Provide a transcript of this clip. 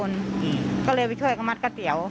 อืมก็เลยไปช่วยซะมัดกระเตียว